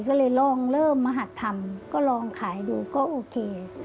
ก็เลยลองเริ่มมหัดทำก็ลองขายดูก็โอเค